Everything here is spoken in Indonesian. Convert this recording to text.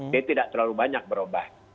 dia tidak terlalu banyak berubah